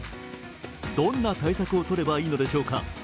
どんな対策を取ればいいのでしょうか？